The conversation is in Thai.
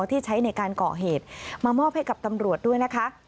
ที่ใช้ในการก่อเหตุมามอบให้กับตำรวจด้วยนะคะ